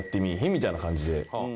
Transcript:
みたいな感じで。